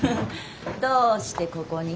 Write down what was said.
どうしてここに？